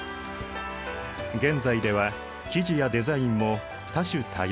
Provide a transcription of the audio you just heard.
現在では生地やデザインも多種多様。